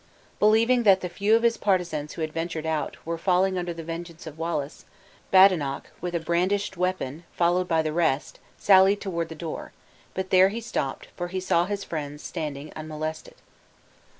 Believing that the few of his partisans who had ventured out, were falling under the vengeance of Wallace, Badenoch, with a brandished weapon, and followed by the rest, sallied toward the door, but there he stopped, for he saw his friends standing unmolested.